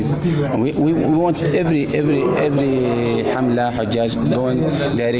jika ada yang bergerak langsung ke jemarat